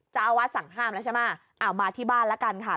เจ้าอาวาสสั่งห้ามแล้วใช่ไหมเอามาที่บ้านละกันค่ะ